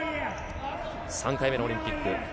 ３回目のオリンピック。